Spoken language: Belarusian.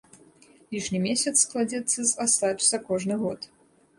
Лішні месяц складзецца з астач за кожны год.